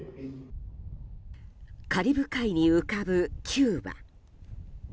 カリブ海に浮かぶキューバ。